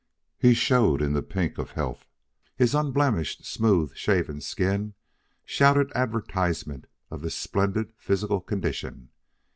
He showed in the pink of health; his unblemished, smooth shaven skin shouted advertisement of his splendid physical condition.